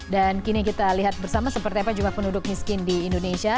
dan kini kita lihat bersama seperti apa juga penduduk miskin di indonesia